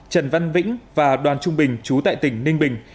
trần văn vĩnh và đoàn trung bình chú tại tỉnh ninh bình